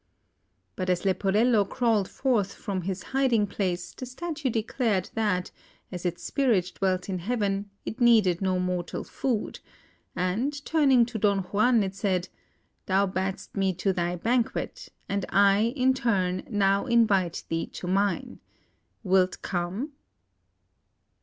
But as Leporello crawled forth from his hiding place, the Statue declared that, as its spirit dwelt in Heaven, it needed not mortal food; and turning to Don Juan, it said: "Thou badst me to thy banquet, and I, in turn, now invite thee to mine! Wilt come?"